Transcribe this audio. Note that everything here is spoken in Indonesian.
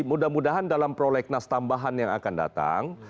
mudah mudahan dalam prolegnas tambahan yang akan datang